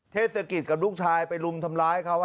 เทศกิจกับลูกชายไปรุมทำร้ายเขา